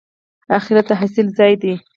اخرت د حاصل ځای دی